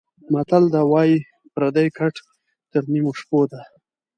متل ده:واى پردى ګټ تر نيمو شپو ده.